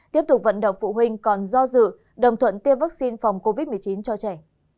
tiếp tục vận động phụ huynh còn do dự đồng thuận tiêm vaccine phòng covid một mươi chín cho trẻ